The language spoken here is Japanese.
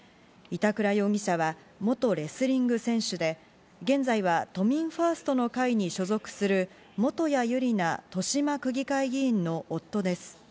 板倉容疑者は元レスリング選手で、現在は都民ファーストの会に所属する元谷ゆりな豊島区議会議員の夫です。